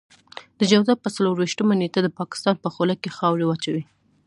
د جوزا په څلور وېشتمه نېټه د پاکستان په خوله کې خاورې واچوئ.